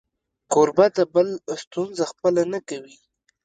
کوربه د بل ستونزه خپله نه کوي.